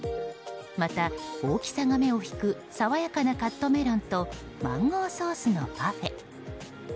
また、大きさが目を引くさわやかなカットメロンとマンゴーソースのパフェ。